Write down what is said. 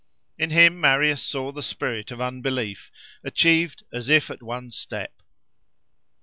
In him Marius saw the spirit of unbelief, achieved as if at one step.